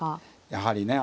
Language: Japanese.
やはりね